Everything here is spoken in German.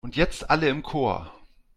Und jetzt alle im Chor!